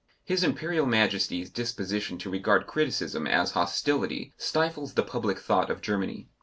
His Imperial Majesty's disposition to regard criticism as hostility stifles the public thought of Germany.